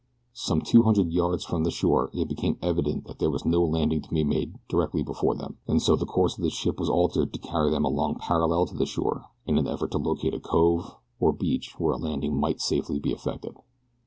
Some two hundred yards from the shore it became evident that there was no landing to be made directly before them, and so the course of the ship was altered to carry them along parallel to the shore in an effort to locate a cove, or beach where a landing might safely be effected.